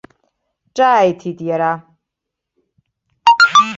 Ҿааиҭит иара.